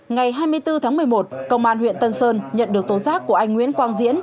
ngày hai mươi bốn tháng một mươi một công an huyện tân sơn nhận được tố giác của anh nguyễn quang diễn